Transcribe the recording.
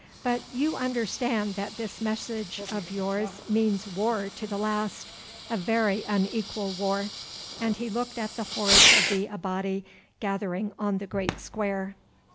But you understand that this message of yours means war to the last, a very unequal war," and he looked at the hordes of the Abati gathering on the great square.